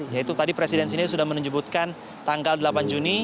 yaitu tadi presiden sini sudah menyebutkan tanggal delapan juni